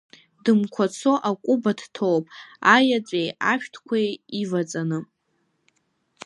Дымқәацо акәыба дҭоуп, аиаҵәеи ашәҭқәеи иваҵаны.